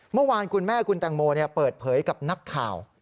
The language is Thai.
เมื่อวานคุณแม่คุณแตงโมเปิดเผยกับนักข่าว